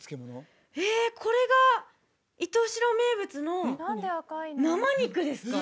これが石徹白名物の生肉ですか？